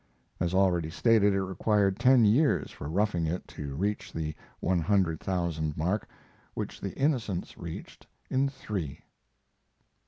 As already stated, it required ten years for Roughing It to reach the one hundred thousand mark, which the Innocents reached in three.